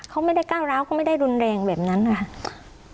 เขาไม่ได้ก้าวร้าวเขาไม่ได้รุนแรงแบบนั้นนะคะ